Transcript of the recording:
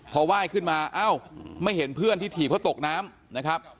พอไหว้ขึ้นมาเอ้าไม่เห็นเพื่อนที่ถีบเพราะตกน้ำนะครับ